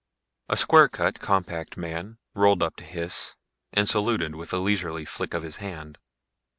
A square cut, compact man rolled up to Hys and saluted with a leisurely flick of his hand.